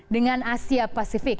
dengan asia pasifik